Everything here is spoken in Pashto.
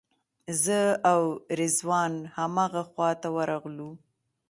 زه او رضوان همغه خواته ورغلو.